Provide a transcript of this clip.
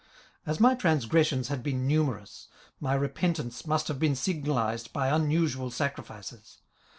As my transgressions had been numerous, my repentance must have been signalized by unusual sacrifices.